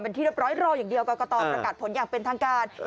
เป็นที่เรียบร้อยรออย่างเดียวกรกตประกาศผลอย่างเป็นทางการ